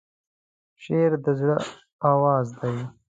شعر د زړه آواز دی.